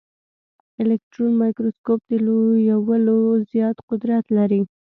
الکټرون مایکروسکوپ د لویولو زیات قدرت لري.